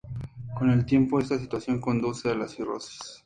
Con el tiempo, esta situación conduce a la cirrosis.